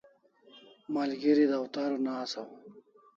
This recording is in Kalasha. Malgeri dawtar una asaw